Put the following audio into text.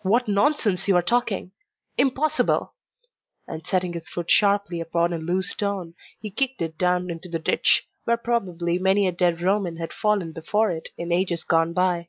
"What nonsense you are talking! Impossible!" and setting his foot sharply upon a loose stone, he kicked it down into the ditch, where probably many a dead Roman had fallen before it in ages gone by.